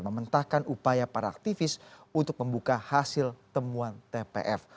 mementahkan upaya para aktivis untuk membuka hasil temuan tpf